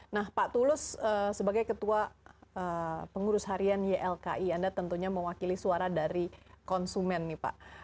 nah pak tulus sebagai ketua pengurus harian ylki anda tentunya mewakili suara dari konsumen nih pak